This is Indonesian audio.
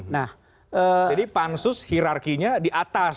jadi pansus hirarkinya di atas